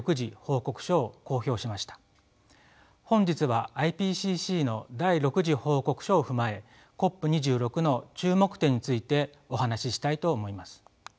本日はＩＰＣＣの第６次報告書を踏まえＣＯＰ２６の注目点についてお話ししたいと思います。